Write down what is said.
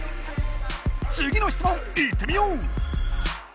次の質問いってみよう！